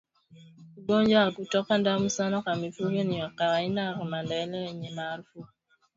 Ugonjwa wa kutoka damu sana kwa mifugo ni wakawaida kwa maeneo yenye maafuriko